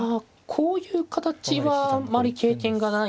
こういう形はあまり経験がないですね。